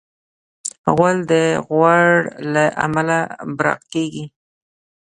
غول د غوړ له امله براق کېږي.